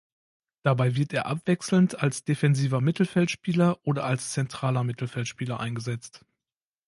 Dabei wird er abwechselnd als defensiver Mittelfeldspieler oder als zentraler Mittelfeldspieler eingesetzt.